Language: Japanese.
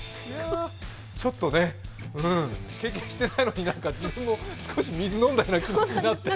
ちょっとね、経験してないのに自分も少し水、飲んだような気になって。